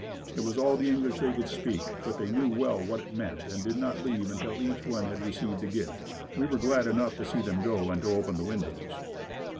It was all the English they could speak but they knew well what it meant and did not leave until each one had received a gift. We were glad enough to see them go and to open the windows.